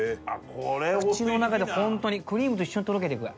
口の中でホントにクリームと一緒にとろけていく。